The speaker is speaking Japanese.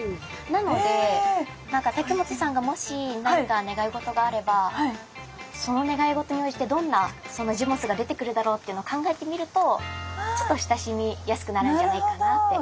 なので武元さんがもし何か願い事があればその願い事に応じてどんな持物が出てくるだろうっていうのを考えてみるとちょっと親しみやすくなるんじゃないかなって。